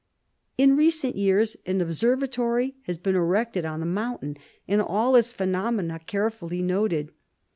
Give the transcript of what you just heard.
In recent years an observatory has been erected on the mountain, and all its phenomena carefully noted.